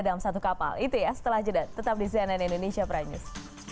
dalam satu kapal itu ya setelah jeda tetap di cnn indonesia prime news